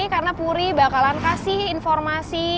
karena puri bakalan kasih informasi